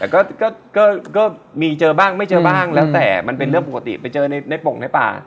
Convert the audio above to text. ก็มีเจอบ้างไม่เจอบ้าง